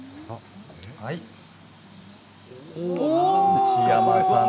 内山さん